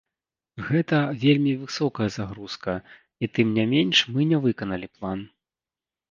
Гэта вельмі высокая загрузка, і тым не менш мы не выканалі план.